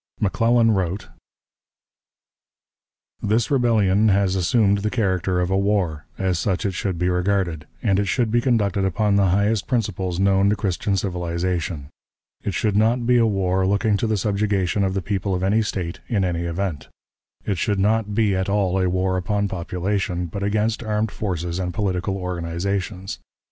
McClellan wrote: "This rebellion has assumed the character of a war; as such it should be regarded, and it should be conducted upon the highest principles known to Christian civilization. It should not be a war looking to the subjugation of the people of any State, in any event. It should not be at all a war upon population, but against armed forces and political organizations.